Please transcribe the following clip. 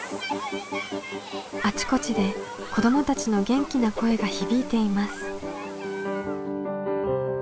あちこちで子どもたちの元気な声が響いています。